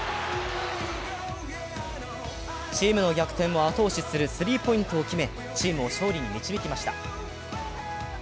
チームの逆転を後押しするスリーポイントを決め、チームを勝利に導きました。